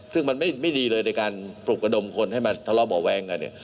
ซึ่งมันไม่ดีเลยในการปลุกระดมคนให้มาทะเลาะเบาะแว้งกันเนี่ย